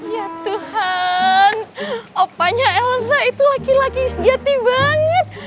ya tuhan opanya elsa itu laki laki sejati banget